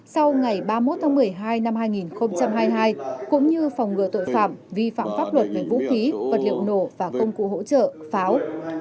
sau ngày ba mươi một tháng một mươi hai năm hai nghìn hai mươi hai cũng như phòng ngừa tội phạm vi phạm pháp luật về vũ khí vật liệu nổ và công cụ hỗ trợ pháo